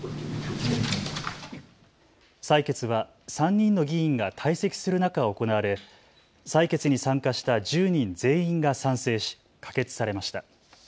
採決は３人の議員が退席する中行われ採決に参加した１０人全員が賛成し可決されました。